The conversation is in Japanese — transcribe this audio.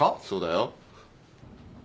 そうだよ。